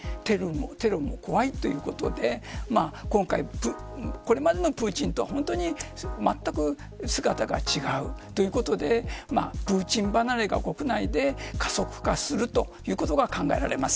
テロも怖いということでこれまでのプーチンとはまったく姿が違うということでプーチン離れが国内で加速化するということが考えられます。